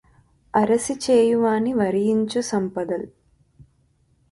అరసి చేయువాని వరియించు సంపదల్